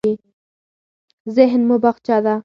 ذهن مو باغچه ده.